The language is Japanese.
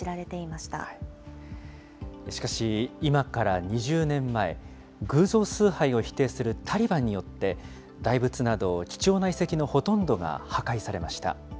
しかし、今から２０年前、偶像崇拝を否定するタリバンによって、大仏など、貴重な遺跡のほとんどが破壊されました。